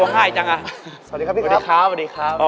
ไหนพี่ก็แต่งตัวง่ายจังอ่ะ